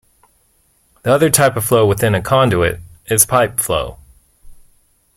The other type of flow within a conduit is pipe flow.